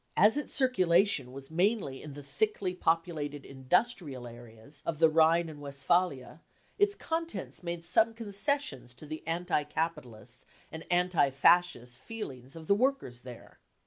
As its circulation was mainly in the thickly populated industrial areas of the Rhine and Westphalia, its contents made some concessions to the anti capitalist and anti Fascist feelings of the workers there.